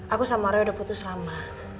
aku sama roy udah putus lama